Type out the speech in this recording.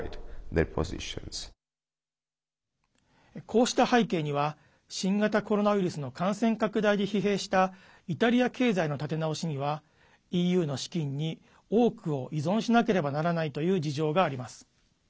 こうした背景には新型コロナウイルスの感染拡大で疲弊したイタリア経済の立て直しにはＥＵの資金に、多くを依存しなければならないという事情があります。